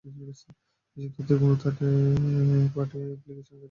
এসব তথ্য কোনো থার্ড পার্টি অ্যাপ্লিকেশনের কাছে বিক্রি করা হয় না।